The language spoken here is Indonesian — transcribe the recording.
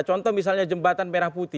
contoh misalnya jembatan merah putih